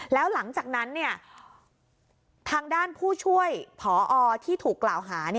แล้วหลังจากนั้นทางด้านผู้ช่วยพอที่ถูกกล่าวหา